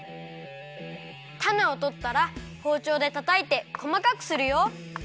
たねをとったらほうちょうでたたいてこまかくするよ。